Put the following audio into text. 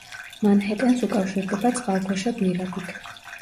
მანჰეტენს უკავშირდება წყალქვეშა გვირაბით.